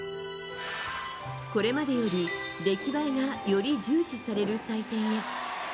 これまでより出来栄えがより重視される採点へ。